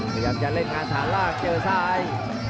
พยายามจะเล่นงานฐานล่างเจอซ้าย